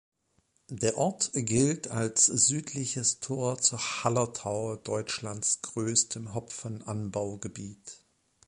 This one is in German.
Der Ort gilt als südliches Tor zur Hallertau, Deutschlands größtem Hopfenanbaugebiet.